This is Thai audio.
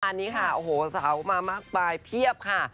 อันนี้ค่ะโอ้โหเสามามากมายเพียบค่ะ